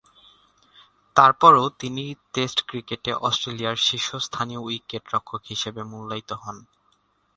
তারপরও তিনি টেস্ট ক্রিকেটে অস্ট্রেলিয়ার শীর্ষস্থানীয় উইকেট-রক্ষক হিসেবে মূল্যায়িত হন।